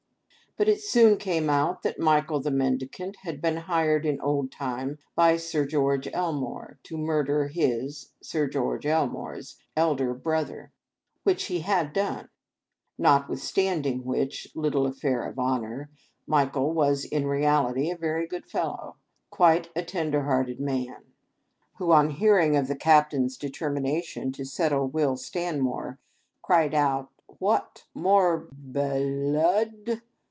But it soon came out that Mi chael the Mendicant had been hired in old time by Sir George Elmore, to murder his (Sir George Elmore's) elder brother — which he had done; nothwithstanding which little affair of honor, Michael was in reality a very good fellow; quite a tender hearted man; who, on hearing of the Cap tain's determination to settle Will Stanmore, cried out, "What! more bel — ood!"